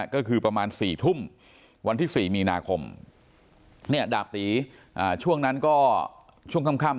ก็คือประมาณ๔ทุ่มวันที่๔มีนาคมเนี่ยดาบตีช่วงนั้นก็ช่วงค่ำ